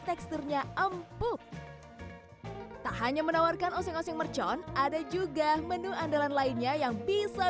teksturnya empuk tak hanya menawarkan oseng oseng mercon ada juga menu andalan lainnya yang bisa